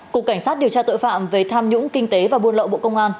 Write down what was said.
cục cảnh sát điều tra tội phạm về tham nhũng kinh tế và buôn lậu bộ công an